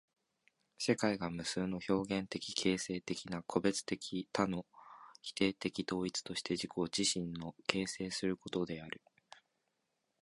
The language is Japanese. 世界が無数の表現的形成的な個物的多の否定的統一として自己自身を形成することである。